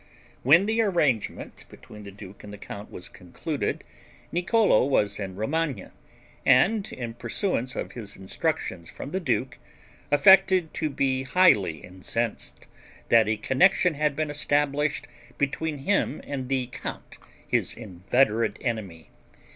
When the agreement between the duke and the count was concluded, Niccolo was in Romagna, and in pursuance of his instructions from the duke, affected to be highly incensed, that a connection had been established between him and the count, his inveterate enemy.